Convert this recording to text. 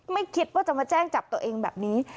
ไม่คิดว่าจะมาแจ้งจับตัวเองแบบนี้